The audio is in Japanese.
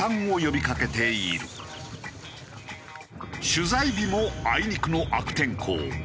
取材日もあいにくの悪天候。